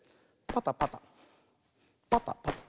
パタパタパタパタ。